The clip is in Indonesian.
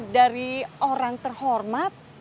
dari orang terhormat